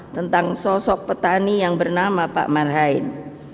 tentang sosok petani yang bernama pak marhain